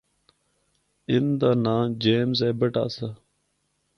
ان دا ناں جمیز ایبٹ آسا۔